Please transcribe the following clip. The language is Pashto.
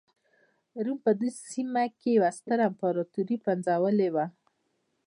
روم په دې سیمه کې یوه ستره امپراتوري پنځولې وه.